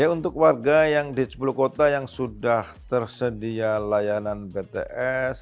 untuk warga yang di sepuluh kota yang sudah tersedia layanan bts